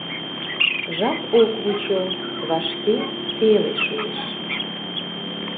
Жап ок вучо, вашке теле шуэш.